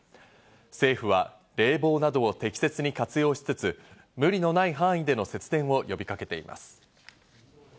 政府は冷房などを適切に活用しつつ、無理のない範囲での節電を呼びかけています。